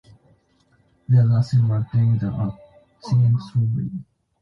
There's nothing like doing a thing thoroughly.